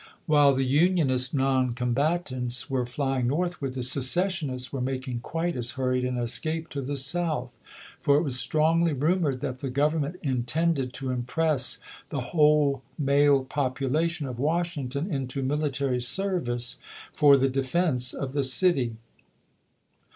While the Unionist non combatants were flying northward, the secessionists were making quite as hurried an escape to the South ; for it was strongly rumored that the Government intended to impress the whole male population of Washington into mil itary service for the defense of the city.